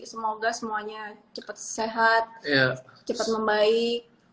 semoga semuanya cepet sehat cepet membaik